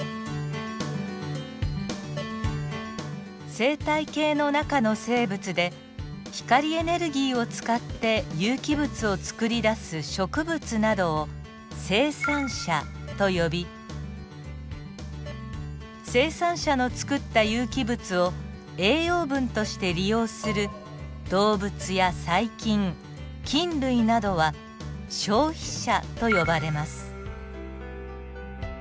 生態系の中の生物で光エネルギーを使って有機物をつくり出す植物などを生産者と呼び生産者のつくった有機物を栄養分として利用する動物や細菌菌類などは消費者と呼ばれます。